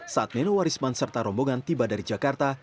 saat nenowarisman serta rombongan tiba dari jakarta